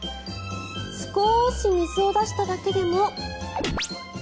少し水を出しただけでも。